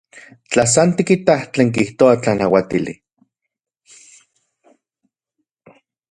Tla san tikitaj tlen kijtoa tlanauatili.